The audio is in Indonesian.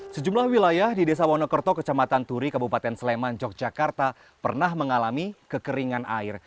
sejumlah wilayah di desa wonokerto kecamatan turi kabupaten sleman yogyakarta pernah mengalami kekeringan air